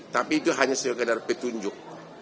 tapi itu hanya sekedar petunjuk